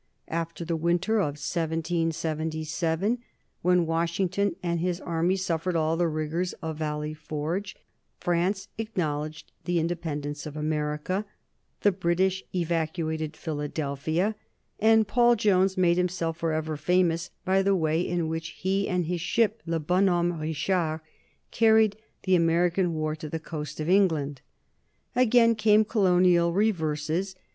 After the winter of 1777, when Washington and his army suffered all the rigors of Valley Forge, France acknowledged the independence of America, the British evacuated Philadelphia, and Paul Jones made himself forever famous by the way in which he and his ship "Le Bonhomme Richard," carried the American war to the coast of England. Again came colonial reverses.